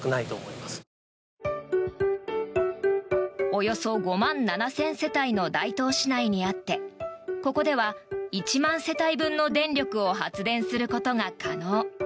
およそ５万７０００世帯の大東市内にあってここでは１万世帯分の電力を発電することが可能。